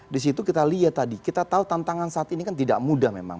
di situ kita lihat tadi kita tahu tantangan saat ini kan tidak mudah memang